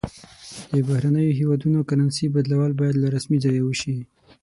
د بهرنیو هیوادونو کرنسي بدلول باید له رسمي ځایه وشي.